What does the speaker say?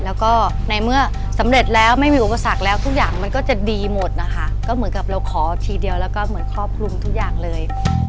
แล้วก็ในเมื่อสำเร็จแล้วไม่มีอุปสรรคแล้วทุกอย่างมันก็จะดีหมดนะคะก็เหมือนกับเราขอทีเดียวแล้วก็เหมือนครอบคลุมทุกอย่างเลย